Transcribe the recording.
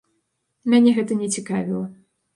Мяне гэта не цікавіла.